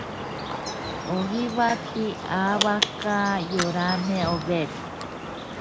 Su primer matrimonio fue con un tal señor Overbeck.